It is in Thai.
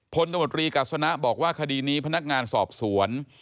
ตมตรีกัศนะบอกว่าคดีนี้พนักงานสอบสวน